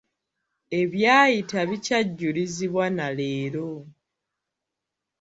Ebyayita bikyajulizibwa na leero.